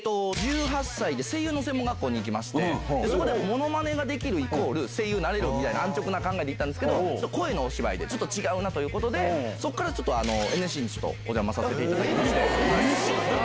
１８歳で声優の専門学校に行きまして、そこでものまねができるイコール声優になれるみたいな、安直な考えで行ったんですけど、声のお芝居でちょっと違うなということで、そこからちょっと、ＮＳＣにちょっとお邪魔させていただきまして。